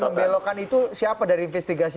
membelokan itu siapa dari investigasi